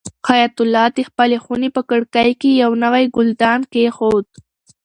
حیات الله د خپلې خونې په کړکۍ کې یو نوی ګلدان کېښود.